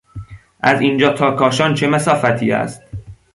از اینجا تا کاشان چه مسافتی است؟